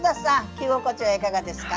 着心地はいかがですか？